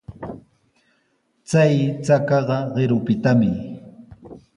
Chay chakaqa qirupitami.